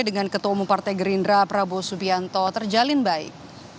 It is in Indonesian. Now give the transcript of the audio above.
dengan ketua umum partai gerindra prabowo subianto terjalin baik